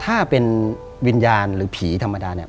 ถ้าเป็นวิญญาณหรือผีธรรมดาเนี่ย